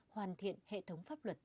hoàn thiện hệ thống pháp luật